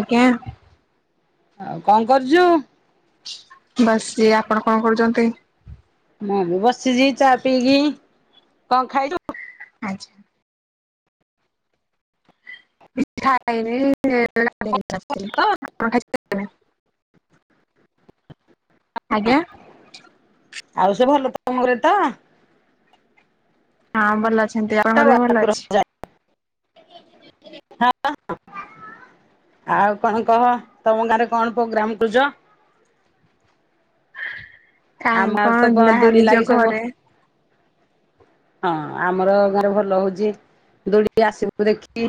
ଆଜ୍ଞା। ଆଉ କଣ କରୁଚୁ? ବସିଚି ଆପଣ କଣ କରୁଚନ୍ତି? ମୁଁ ବି ବସିଛି ଚା ପିଇକି କଣ ଖାଇ ଆଚ୍ଛା। ପିଠା ଖାଇଲି [inaudible] ଆଜ୍ଞା। ଆଉ ସବୁ ଭଲ ତମ ଘରେ ତ? ହଁ ଭଲ [unintelligible] ଦେହ ଭଲ [inaudible] [inaudible] [inaudible] ଆଉ କଣ କହ ତମ ଗାଁରେ କଣ ପୋଗ୍ରାମ୍ [unintelligible] କାଇଁ ଆମ ଆଡେ ତ କଣ ଯାହା ଦୋଳି ନିଜ ଲାଗି ସବୁ ଘରେ ହଁ ଆମର ଗାଁରେ ଭଲ ହଉଚି ଦୌଡିକି ଆସିବୁ ଦେଖି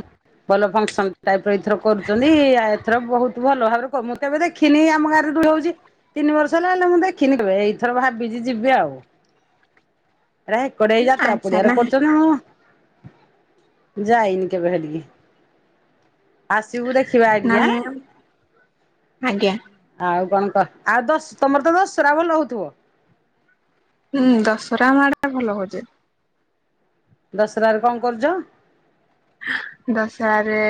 ଭଲ ଫଙ୍କସନ୍ ଟାଇପର ଏଇଥର କରୁଚନ୍ତି, ଆଉ ଏଥର ବହୁତ ଭଲ ଭାବରେ କ ମୁଁ କେବେ ଦେଖିନି ଆମ ଗାଁ ରେ ଦୋଳି ହଉଚି ତିନି ବର୍ଷ ହେଲା ହେଲେ ମୁଁ ଦେଖିନି କେବେ ଏଇ ଏଥର ଭାବିଚି ଯିବି ଆଉ ଏରା ହେ କୁଡାଏ ଏଇ ଯାତ୍ରା ପଡିଆରେ କରୁଚନ୍ତି ନା କଣ ଯାଇନି କେବେ ହେଠିକି। ଆସିବୁ ଦେଖିବା ଏଇଠିକି ଆଁ। ନାହିଁ ଆଜ୍ଞା ଆଉ କଣ କହ ଆଉ ଦଶ ତମର ତ ଦଶରା ଭଲ ହୋଉଥୁବ। ହୁଁ ଦଶହରା ଆମ ଆଡେ ଭଲ ହୋଉଚି। ଦଶରାରେ କଣ କରୁଚ? ଦଶହାରେ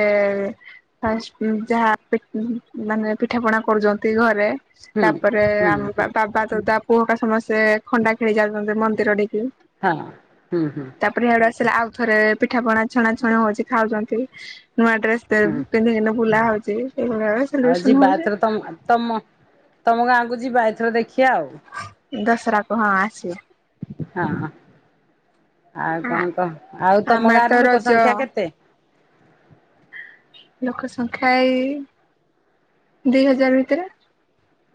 ଫାଷ୍ଟ ଉଁ ଯାହା ପି ଉଁ ହୁଁ ମାନେ ପିଠା ପଣା କରୁଚନ୍ତି ଘରେ। ହୁଁ ତାପରେ ହୁଁ ଆମ ବାବା, ଦଦା ପୁଅ ହେରିକା ସମସ୍ତେ ଖଣ୍ଡା ଖେଳି ଯାଉଚନ୍ତି ମନ୍ଦିର ଠିକି। ହଁ ହୁଁ ହୁଁ। ତାପରେ ହିଆଡୁ ଆସିଲେ ଆଉ ଥରେ ପିଠା ପଣା ଛଣା ଛଣୀ ହୋଉଚନ୍ତି ଖାଉଚନ୍ତି ନୂଆ ଡ୍ରେସ୍ କେତେ ହୁଁ ଦିନି ଏଇନା ବୁଲା ହୋଉଚି। ସେ ଗାଁ ସେଲିବ୍ରେସନ ହୋଉଚି। ତମ-ତମ ତମ ଗାଁକୁ ଯିବ ଏଇଥର ଦେଖି ଆଉ। ଦଶହରା କୁ ହଁ ଆସିବ। ହଁ ଆଉ ଆ କଣ କହ। ଆଉ ତମ ଆମର ତ ଗାଁରେ ଲୋକ ରଜ ସଂଖ୍ୟା କେତେ? ଲୋକ ସଂଖ୍ୟା ଏଇ ଦିଇ ହଜାର ଭିତରେ।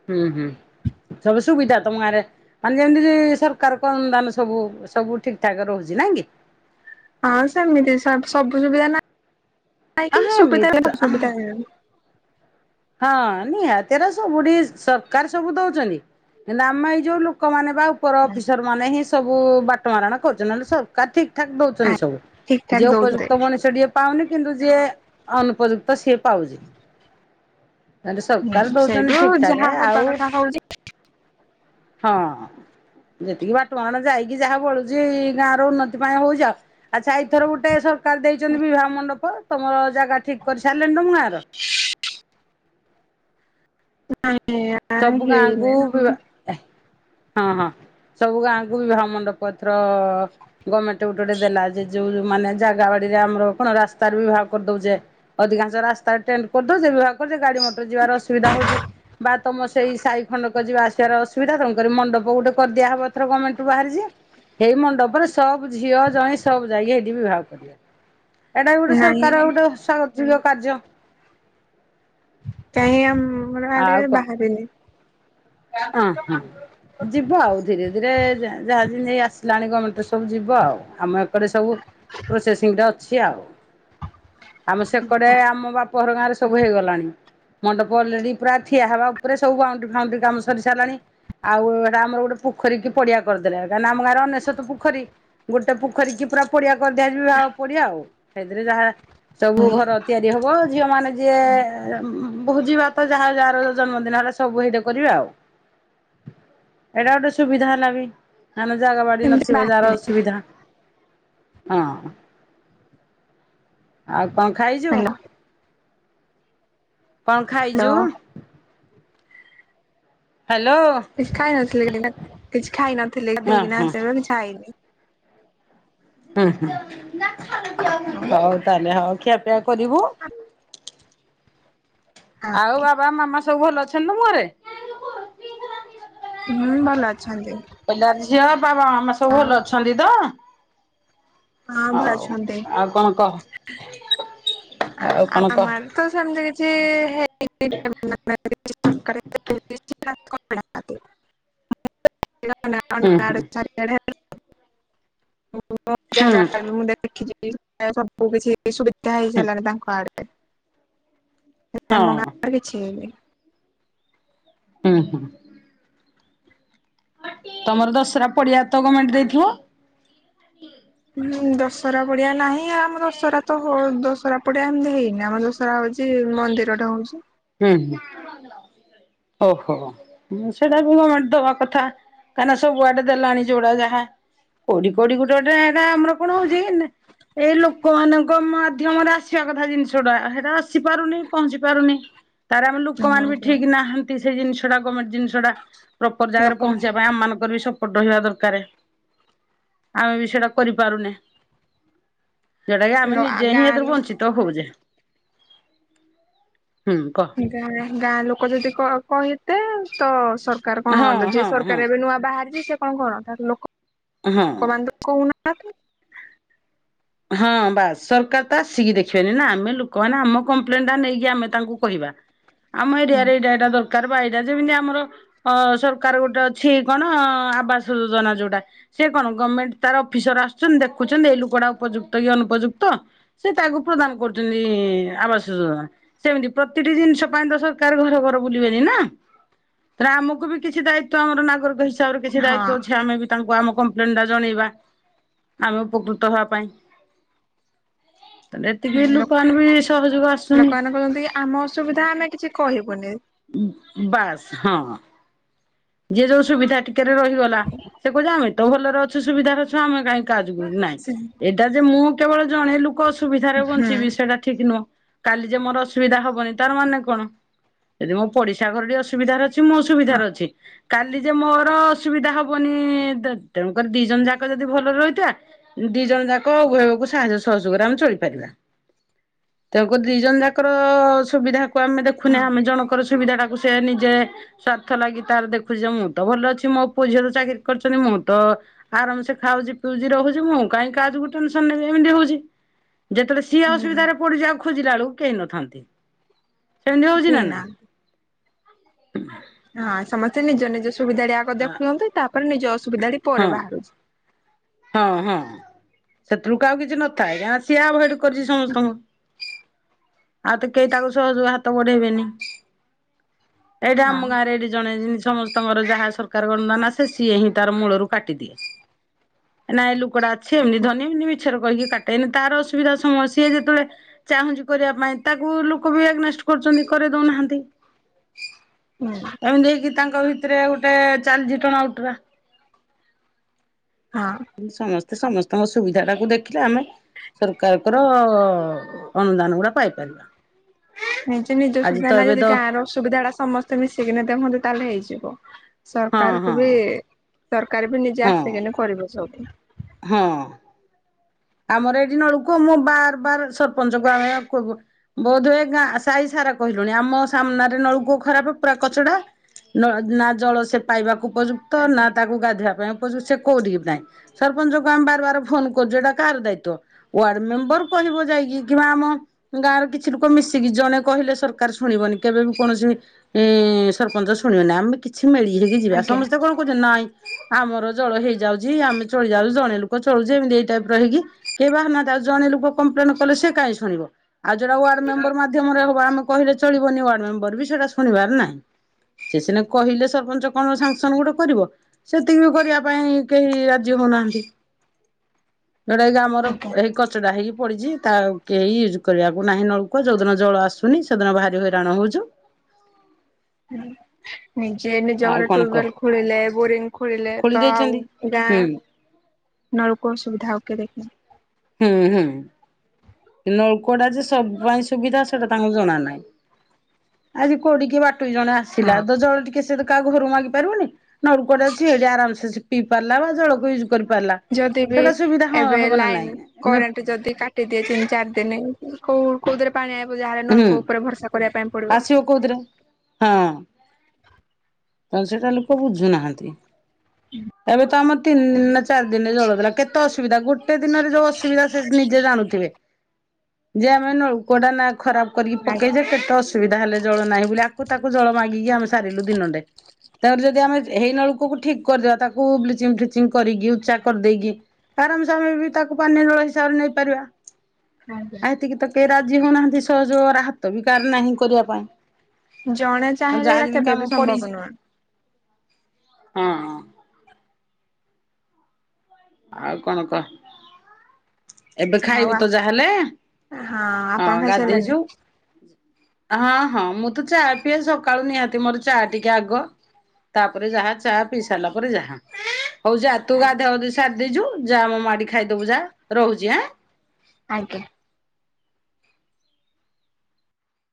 ହୁଁ ହୁଁ ସବୁ ସୁବିଧା ତମ ଆରେ। ମାନେ ଯେମିତି ସରକାରଙ୍କ ଅନୁଦାନ ସବୁ ସବୁ ଠିକ୍ ଠାକ୍ ରହୁଚି ନାଁ କି। ହଁ ସେମିତି ସବ-ସବୁ ସୁବିଧା ନାହିଁ ଆ କି ସୁବିଧା ଏମିତି [inaudible] ତ ସୁବିଧା ହେଇଗଲେ। ହଁ ନିହାତି ହେରା ସବୁଠି ସରକାର ସବୁ ଦୋଉଚନ୍ତି। ହେଲେ ଆମେ ଏଇ ଯୋଉ ଲୋକମାନୋନ ବା ଉପର ଅଫିସର ମାନେ ହିଁ ସବୁ ବାଟ ମାରଣା କରୁଚନ୍ତି ନହେଲେ ସ ରକାର ଠିକ୍ ଠାକ୍ ଆ ଦୋଉଚନ୍ତି ଠିକ ସବୁ ଠାକ ଯିଏ ଦଉଛନ୍ତି ଉପଯୁକ୍ତ ମଣିଷଟିଏ ପାଉନି କିନ୍ତୁ ଯିଏ ଅନୁପଯୁକ୍ତ ସିଏ ପାଉଚି। ହେଲେ ହୁଁ ସରକାର ଦୋଉଚନ୍ତି ସେଇଠୁ ଠିକ୍ ଠାକ୍ ଯାହା ଏ ହବା ଆଉ କଥା ହଉଛି ହଁ। ଯେତିକି ବାଟାମରଣା ଯାଇକି ଯାହା ବଳୁଚି ଗାଁ ର ଉନ୍ନତି ପାଇଁ ହୋଉ ଯାଉ। ଆଚ୍ଛା ଏଇଥର ଗୋଟେ ସରକାର ଦେଇଚନ୍ତି। ବିବାହ ମଣ୍ଡପ ତମର ଜାଗା ଠିକ୍ କରି ସାରିଲେଣିି ତମ ଗାଁର? ନାଇଁ। ସବୁ ଗାଁକୁ ବିବା ହଁ ହଁ ସବୁ ଗାଁକୁ ବିଭାହ ମଣ୍ଡପ ଏଥର ଗମେଣ୍ଟ ଗୁଟେ ଗୁଟେ ଦେଲା ଯେ ଯୋଉ ଉ ମାନେ ଜାଗା ବାଡିରେ ଆମର କଣ ରାସ୍ତରୁ ବିିଭାହା କରିଦୋଉଚେ। ଅଧିକାଂଶ ରାସ୍ତାରେ ଟେଣ୍ଟ କରିଦୋଉଚେ ବିଭାହ କରୁଚେ। ଗାଡି ମଟର ଯିବାର ଅସୁବିଧା ହୋଉଚି। ତମ ସେଇ ସାହି ଖଣ୍ଡକ ଯିବା ଆସିବାର ଅସୁବିଧା ତେଣୁ କରି ମଣ୍ଡପ ଗୋଟେ କରିଦିଆ ହବ ଏଥର ଗର୍ଣ୍ଣମେଣ୍ଟରୁ ବାହାରିଚି। ହେଇ ମଣ୍ଡପରେ ସବ୍ ଝିଅ ଜୋଇଁ ସବୁ ଯାଇକି ହେଇଠି ବିିବାହ କରିବେ। ଏଟା ଗୁଟେ ସରକାର ନାଇଁ ଗୁଟେ ସ୍ଵାଗତ ଯୋଗ୍ୟ କାର୍ଯ୍ୟ। କାଇଁ ଆମ ର ଆଡେ ଆଉ ବାହାରିନି। ଉଁ ହୁଁ। ଯିବ ଆଉ ଧୀରେ ଧୀରେ ଯା ଯାହା ଯେମିତି ଏଇ ଆସିଲାଣି ଗର୍ମେଣ୍ଟରେ ସବୁ ଯିବ ଆଉ ଆମ ଏ କରେ ସବୁ ପ୍ରୋସେସିଙ୍ଗରେ ଅଛି ଆଉ। [inaudible] ଆମେ ସେ କଡେ ଆମ ବା ପ ଘର ଗାଁରେ ସବୁ ହେଇଗଲାଣି ମଣ୍ଡପ ଅଲରେଡି ପୁରା ଠିଆ ହବା ଉପରେ ସବୁ ବାଉଁଣ୍ଡୁରି ଫାଉଁଣ୍ଡୁରି କାମ ସରି ସାରିଲାଣି ଆଉ ହେରା ଆମର ଗୋଟେ ପୋଖରୀ କି ପଡିଆ କରିଦେଲେ କାହିଁକି ଆମ ଗାଁର ଅନେଶୋତ ପୋଖରୀ। ଗୋଟେ ପୋଖରୀ କି ପୁରା ପଡିଆ କରିଦିଆ [unintelligible] ପଡିଆ ଆଉ। ସେଇଥିରେ ଯାହା ସବୁ ଘର ତିଆରି ହବ। ଝିଅ ମାନେ ଯିଏ ଭୋଜି ଭାତ ଯାହା ଯାହାର ଜନ୍ମଦିନ ହେଲା ସବୁ ସେଇଟି କରିବେ ଆଉ। ଏଟା ଗୋଟେ ସୁବିଧା ହେଲା ବି। ମାନେ ଜାଗା ବାଡି ଏମିତି ନଥିବ ବାହା ଯାହାର ଅସୁବିଧା। ହଁ, ଆଉ କଣ ଖାଇଛୁ? ହ୍ୟାଲୋ କଣ ଖାଇଛୁ? ହ୍ୟାଲୋ। ହ୍ୟାଲୋ। କିଛି ଖାଇ ନଥିଲି ହଁ ହଁ [unintelligible] କିଛି ହୁଁ ଖାଇନି। ଉଁ ହୁଁ, ହଉ ତାହେଲେ ହଉ ଖିଆପିଆ କରିବୁ। ଆଉ ବାବା, ମାମା ସବୁ ଭଲ ଅଛନ୍ତି ତମ ଘରେ? ହୁଁ ଭଲ ଅଛନ୍ତି। କହିଲା ଝିଅ ବାବା, ମାମା ସବୁ ଆଉ ଭଲ ଅଛନ୍ତି ତ? ହଁ ଭ ହଉ ଅଛନ୍ତି। ଆଉ କଣ କହ ଆ ଆଉ କଣ କହ ଆମର ତ ସେମିତି କିଛି [unintelligible] ହୁଁ [unintelligible] ହୁଁ ଦେଖିଛିି ସବୁ ହୁଁ କିଛି ସୁବିଧା ହେଇସାଇଲାଣି ତାଙ୍କ ହୁଁ ଆଡେ। ହେଲେ ଆମ ହଁ ଗାଁ କିଛି ହେଇନି। ହୁଁ ହୁଁ। ତମର ଦସରା ପଡିଆ ତ ଗମେଣ୍ଟ ଦେଇଥିବ? ହୁଁ ଦଶରା ପଡିଆ ନାହିଁ। ଆଉ ଆମ ଦସରା ତ ହୋ ଦଶରା ପଡିଆ ଏମିତି ହେଇନି। ଆମ ଦ ହଉଛି ମନ୍ଦିରଟି ହଉଛି। ହୁଁ ହୁଁ, ଓହୋ। ହୁଁ ସେଟା ବି ଗମେଣ୍ଟ ଦବା କଥା। କାହିଁକିନା ସବୁଆଡେ ଦେଲାଣି ଯୋଉଡା ଯାହା କୋଉଠି କୋଉଠି ଗୋଟେ ଗୋଟେ ଏଟା ଆମର କଣ ହଉଛି ନେ ଏଇ ଲୋକମାନଙ୍କ ମାଧ୍ୟମରେ ଆସିବା କଥା ଜିନିଷଟା। ସେଟା ଆସିପାରୁନି ପହଞ୍ଚି ପାରୁନି। ତାର ଆମେ ଲୋକମାନେ ବି ହଉଛି। ଠିକ୍ ନାହାନ୍ତି ସେ ଜିନିଷଟା ଗମେଣ୍ଟ ଜିନ ଷଟା ପ୍ରପୋର ଜାଗାରେ ଲୋକ ପହଞ୍ଚିବା ପାଇଁ। ଆମ ମାନଙ୍କର ବି ସବୁ ରହିବା ଦରକାରେ। ଆମେ ବି ସେଇଟା କରିପାରୁନେ। ଯେଉଟା କି ଆମେ ଲ ନିଜେ ହିଁ ଗାଁ ଏଥିରୁ ଲୋ ବଞ୍ଚିତ ହଉଛେ। ହୁଁ କହ। ଗାଁ ଗାଁ ଲୋକ ଯଦି କ କହିତେ ତ ସର୍ ସରକାର କଣ ହଁ ଆଲଜ୍ୟା ହଁ ହଁ ସରକାର ଏବେ ନୂଆ ବାହାରିଛି ସେ କଣ କରନ୍ତା। ହଁ ଲୋକ ମାନେ କହୁନାହାନ୍ତି। ହଁ ବାସ୍ ସରକାର ତ ଆସିକି ଦେଖିବେନି ନା। ଆମେ ଲୋକମାନେ ଆମ କମ୍ପ୍ଲେନଟା ନେଇକି ଆମେ ତାଙ୍କୁ କହିବା। ଆମ ଏରିଆରେ ଏଇଟା ଏଇଟା ଦରକାର ବା ଏଇଟା ଯେମିତି ଆମର ଅ ସରକାର ଗୋଟେ ଅଛି କଣ ଆବାସ ଯୋଜନା ଯୋଉଟା ସିଏ କଣ ଗମେଣ୍ଟ ତାର ଅଫିସର ଆସୁଛନ୍ତି ଦେଖୁଛନ୍ତି ଏଇ ଲୋକଟା ଉପଯୁକ୍ତ କି ଅନୁପଯୁକ୍ତ। ସିଏ ତାକୁ ପ୍ରଦାନ କରୁଛନ୍ତି ଆବାସ ଯୋଜନା। ସେମିତି ପ୍ରତିଟି ଜିନିଷ ପାଇଁ ତ ସରକାର ଘର ଘର ବୁଲିବେନି ନା। ଆମକୁ ବି କିଛି ଦାୟିତ୍ୱ ଆମ ନାଗରିକ ହିସା କିଛି ହଁ ଦାୟିତ୍ଵ ଅଛି ଆମେ ବି ତାଙ୍କୁ ଆମ କମ୍ପ୍ଲେନ ଟା ଜଣେଇବା। ଆମେ ଉପକୃତ ହବା ପାଇଁ। ତାହେଲେ ଏତିକି ଲୋକ୍ ଲୋକମାନେ ବି ସହଯୋଗ ଆସୁନି ଲୋକମାନେ କହୁଛନ୍ତି କି ଆମ ଅସୁବିଧା ଆମେ କିଛି କହିବୁନି। ଉଁ ବାସ୍ ହଁ। ଯିଏ ଯୋଉ ସୁବିଧା ଟିକେ ରେ ରହିଗଲା ସେ କହୁଛି ଆମେ ତ ଭଲରେ ଅଛୁ, ସୁବିଧାରେ ଅଛୁ। ଅଛୁ। ଆମେ କାଇଁ କାହା ଯୁଗୁରୁ ନାଇଁ। ହୁଁ ଏଇଟା ଯେ ମୁଁ କେବଳ ଜଣେ ଲୋକ ଅସୁବିଧାରେ ବଞ୍ଚିବି ସେଇଟା ଠିକ ନୁହଁ କାଲି ଯେ ମୋର ଅସୁବିଧା ହବନି ତାର ମାନେ କଣ। ଯଦି ମୋ ପଡିଶା ଘର ଟିକେ ଅସୁବିଧାରେ ଅଛି ମୁଁ ହଁ ସୁବିଧାରେ ଅଛି। କାଲି ଯେ ମୋର ଅସୁବିଧା ହବନି ତେଣୁକରି ଦି ଜଣ ଯାକ ଯଦି ଭଲରେ ରହିଥିବା। ଦି ଜଣ ଯାକ ଉଭୟ ଉଭୟକୁ ସାହାଯ୍ୟ ସହଯୋଗରେ ଆମେ ଚଳି ପାରିବା। ତେଣୁ କରି ଦି ଜଣ ଯାକର ସୁବିଧା। ତାକୁ ଆମେ ଦେଖୁନେ, ହଁ ଆମେ ଜଣଙ୍କର ସୁବିଧା ଟାକୁ ସେ ନିଜେ ସ୍ଵାର୍ଥ ଲାଗି। ତାର ଦେଖୁଚି ଯେ ମୁଁ ତ ଭଲ ଅଛି ମୋ ପୁଅ ଝିଅ ତ ଚାକିରି କରିଛନ୍ତି ମୁଁ ତ ଆରାମ ସେ ଖାଉଚି ପିଉଚି ରହୁଚି ମୁଁ କାହିଁ କାହା ଯୋଗୁ ଟେନସନ୍ ନେବି ଏମିତି ହଉଚି। ଯେତଳେ ସିଏ ହୁଁ ଅସୁବିଧାରେ ପଡ଼ୁଚି ଆଉ ଖୋଜିଲା ବେଳକୁ କେହି ନଥାନ୍ତି ସେମିତି ହୋଉଚି ନା ଏଇନା ନାହିଁ। ହଁ ସମସ୍ତେ ନିଜ ନିଜ ସୁବିଧା ଆଗ ଦେଖୁଛନ୍ତି ତାପରେ ନିଜ ଅସୁବିଧା ହଁ ପରେ ବାହାରୁଛି। ହଁ ହଁ ସେତବୋଳୁକୁ ଆଉ କିଛି ନଥାଏ ଯା ସିଏ ଆଭଡ କରିଛି ସମସ୍ତଙ୍କୁ। ଆଉ ତ କେହି ତାକୁ ସହଜୋଗ ହାତ ବଢେଇବେନେହିଁ।। ଏଇଟା ଆମ ଗାଁ ରେ ଏଇଠି ଜଣେ ଯେମିତି ସମସ୍ତେ ତମର ଯାହା ସରକାରଙ୍କ ଅନୂ ଦାନ ଆସେ ସିଏ ହିଁ ତାର ମୂଳରୁ କାଟିଦିଏ। ନାଇଁ ଲୋକଡା ଅଛି ଏମିତି ହଁ ଧନୀ ଏମିତି ମିଛରେ କହିକି କାଟେ ତାର ଅସୁବିଧା ସମୟ ସିଏ ଯେତେବେଳେ ଚାହୁଁଚି କରିବା ପାଇଁ ତାକୁ ଲୋକ ବି ଏଗେନେଷ୍ଟେ କରୁଚନ୍ତି କରେଇ ଦଉନାହାନ୍ତି। ହୁଁ। ଏମିତି ହେଇକି ତାଙ୍କ ଭିତରେ ଗୋଟେ ଚାଲିଛି ଟଣା ଓଟରା। ହଁ। ସମସ୍ତେ ସମସ୍ତଙ୍କ ସୁବିଧା ଟାକୁ ଦେଖିଲେ ଆମେ ସରକାରଙ୍କର ଅନୁଦାନ ଗୁଡା ପାଇପାରିବା। ନାଇ ଯେ ନିଜ ଆଜି ସୁବିଧା ତ ନା ଏବେ ଯଦି ତ ଗାଁର ଅସୁବିଧା ଗୁଡା ସମସ୍ତେ ମିଶିକି ଦେଖନ୍ତୁ ତାହେଲେ ହେଇଯିବ। ହଁ ସରକାରକୁ ହଁ ବି ସରକାର ବି ନିଜେ ହଁ ଆସିକିନି କରିବ ସବୁ। ହଁ। ଆମର ଏଇଠି ନଳ କୂଅ ମୁଁ ବାର୍ ବାର୍ ସରପଞ୍ଚଙ୍କୁ ଆମେ କରକୁ ବୋଧହୁ ଏ ଗାଁ ସାହି ସାରା କହିଲୁଣି ଆମ ସାମ୍ନାରେ ନଳକୂଅ ଖରାପ ପୁରା କଚଡା। ନଳ ନା ଜଳ ସେ ପାଇବାକୁ ଉପଯୁ ତ ନା ଆଜ୍ଞା ତାକୁ ଗାଧୋଇବା ପାଇଁ ଉପଯେଗ ସେ କୋଉଠିକି ନାାଇଁ ସରପଞ୍ଚଙ୍କୁ ଆମେ ବାର ବାର ଫୋନ କରୁଛୁ ଏଟା କାହାର ଦାୟିତ୍ୱ ୱାର୍ଡ ମେମ୍ବର କହିବ ଯାଇକି କିମ୍ବା ଆମ ଗାଁର କିଛି ଲୋକ ମିଶିକି ଜଣେ କହିଲେ ସରକାର୍ ଶୁଣିବନି କେବେ ବି କୌଣସି ଏ ସରପଞ୍ଚ ଶୁଣିବନି ଆମେ କିଛି ମିଳି ହେଇକି ଯିବା ଆଜ୍ଞା ସମସ୍ତେ କଣ କରୁଛନ୍ତି ନାଇଁ। ଆମର ଜଳ ହେଇଯାଉଚି ଆମେ ଚଳି ଯାଉଛୁ ଜଣେ ଲୋକ ଚଳୁଛେ ଏମିତି ଏଇଟା ଡରିକି କେହି ବାହାରୁନାହାନ୍ତି ଜଣେ ଲୋକ କମ୍ପ୍ଲେନ୍ କଲେ ସେ କାହି ଶୁଣିବ ଆଉ ଯୋଟା ୱାର୍ଡ ମେମ୍ବର ମାଧ ମାଧ୍ୟ ମରେ ହବ ଆମେ କହିଲେ ଚଳିବନି ୱାର୍ଡ ମେମ୍ବର ବି ସେଟା ଶୁଣିବାର ନାହିଁ। ସେ ସିନା କହିଲେ ସରପଞ୍ଚ କଣ ସାଙ୍ଗସନ୍ ଗୋଟେ କରିବ ସେତିକି ବି କରିବା ପାଇଁ କେହି ଯିଏ ହେଉନାନ୍ତି। ଯୋଉଟା କି ଆମର ଆଜ୍ଞା। ଏଇ କ କଚଡ଼ା ହେଇକି ପଡ଼ିଛି ତା କେହି ୟୁଜ୍ କରିବାକୁ ନାହିଁ ନଳକୂଅ ଯେଉଁଦିନ ଜଳ ଆସୁନି ସେଦିନ ଭାରି ହଇରାଣ ହଉଚୁ। ହୁଁ। ନିଜେ ନିଜ ଆଉ ଘରେ କଣ କହ ଟ୍ୟୁବଲ୍ ଖୋଳିଲେ ବୋରିଂ ଖୋଳିଲେ ଖୋଳି ତ ଆଉ ଦେଇଛନ୍ତି। ହୁଁ ଗାଁ ନଳ କୂଅ ସୁବିଧା ଆଉ କିଏ ଦେଖେବ। ହୁଁ ହୁଁ। ନଳକୂଅ ଟା ଯେ ସବୁ ପାଇଁ ସୁବିଧା ସେଟା ତାଙ୍କୁ ଜଣା ନାହିଁ। ଆଜି କୋଡି କିଏ ବାଟୋଇ ଜଣ ଆ ଆସିଲା ହଁ ତ ଜଳ ଟିକେ ସେ କାହା ଘରକୁ ମାଗି ପାରିବନି ନଳକୂଅଟେ ଅଛି ଏଠି ଆରାମସେ ପିଇ ପାରିଲା ବା ଜଳକୁ ୟୁଜ୍ କରି ପାରିଲା। ଯଦି ବି ଏବେ ଲାଇନ୍ କରେଣ୍ଟ୍ ଯଦି କାଟି କାଟି ଦିଏ ତିନି ଚାରି ଦିନି କୋଉ କୋଉଥିରେ ପାଣି ଆଣିବୁ ଯାହାହେଲେ ହୁଁ। ନଳକୂଅ ଉପରେ ଭରସା କରିବା ପାଇଁ ପଡିବ। ଆସିବ କୋଉଥିରେ? ହଁ, ତ ସେଟା ଲୋକ ବୁଝୁନାହାନ୍ତି। ହୁଁ। ଏବେ ତ ଆମର ତିନି ଦିନ ନା ଚାରି ଦିନରେ ଜଳଦେଲା। କେତେ ଅସୁବିଧା ଗୋଟେ ଦିନରେ ଯୋଉ ଅସୁବିଧା ସେ ନିଜେ ଜାଣୁଥିବେ। [inaudible] ଯେ ଆମେ ନଳକୂଅ ଟା ନା ଖରାପ୍ କରିକି ଆଜ୍ଞା ପକେଇଛେ କେତେ ଅ ଅସୁବିଧା ହେଲେ ଜଳ ନାହିଁ ବୋଲି ଆକୁ ତାକୁ ଜଳ ମାଗିକି ଆମେ ସାରିଲୁ ଦିନଟେ। ତା ପରେ ଯଦି ଆମେ ହେଇ ନଳକୂଅକୁ ଠିକ୍ କରିଦେବା ତାକୁ ବ୍ଲିଚିଂ ଫ୍ଲିଚିଙ୍ଗ୍ କରିକି ଉଚ୍ଚା କରିଦେଇକି। ଆରାମସେ ଆମେ ବି ତାକୁ ପାନୀୟ ଜଳ ହିସାବରେ ନେଇପାରିବା। ଆଜ୍ଞା। ଆ ଏତିକି ତ କେହି ରାଜି ହଉନାହାନ୍ତି ସହଯୋଗର ହାତ ବି କାହାର ନାହିଁ କରିବା ପାଇଁ। ଜଣେ ଚାହିଁଲେ ଯାହା ଏଟା ଯେମିତି କେବେ କାମ ବିି ପଡିଛି ସମ୍ଭବ ନୁହେଁ। ହଁ। ଆଉ କଣ କହ? ଏବେ ଆଉ ଖାଇବୁ ତ ଯାହାହେଲେ, ହଁ ଆପଣ ହଁ ଗାଧେଇଛୁ। ଖାଇସାରିଲେଣି? ହଁ ହଁ, ମୁଁ ତ ଚା ପିଏ ସକାଳୁ ନିହାତି ମୋର ଚା ଟିକେ ଆଗ। ତାପରେ ଯାହା ଚା ପିଇ ସାରିଲା ପରେ ଯାହା। ହଉ ଯା ତୁ ଗାଧୁଆ ଗାଧି ସାରି ଦେଇଛୁ, ଯା ମୋ ମାଆ ଟି ଖାଇଦବୁ ଯା ରହୁଛି ହାଁ? ଆଜ୍ଞା।